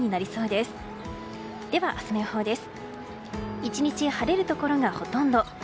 では明日の予報です。